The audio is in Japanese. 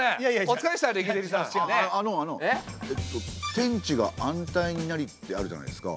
「天地が安泰になり」ってあるじゃないですか。